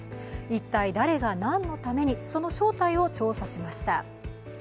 一体、誰が何のためにその正体を調査しました。